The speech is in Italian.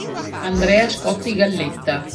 Andrea Scotti Galletta